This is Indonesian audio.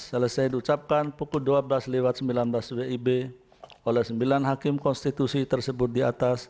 selesai diucapkan pukul dua belas sembilan belas wib oleh sembilan hakim konstitusi tersebut di atas